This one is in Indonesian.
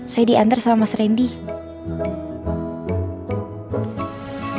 saya diantar sama mas randy